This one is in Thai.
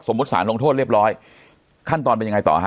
สารลงโทษเรียบร้อยขั้นตอนเป็นยังไงต่อฮ